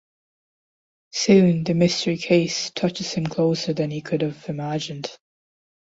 Soon the mysterious case touches him closer than he could have imagined.